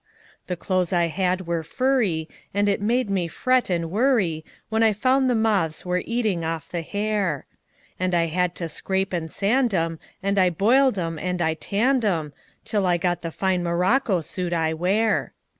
The clothes I had were furry, And it made me fret and worryWhen I found the moths were eating off the hair; And I had to scrape and sand 'em, And I boiled 'em and I tanned 'em, Till I got the fine morocco suit I wear.